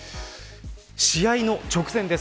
試合の直前です。